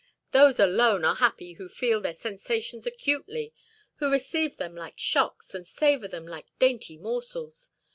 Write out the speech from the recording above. Those alone are happy who feel their sensations acutely, who receive them like shocks, and savor them like dainty morsels.